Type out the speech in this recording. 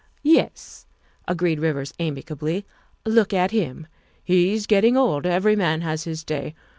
" Yes," agreed Rivers amicably, " look at him. He's getting old. Every man has his day.